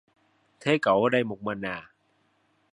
Thế cậu ở đây một mình à